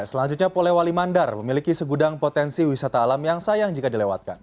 selanjutnya polewali mandar memiliki segudang potensi wisata alam yang sayang jika dilewatkan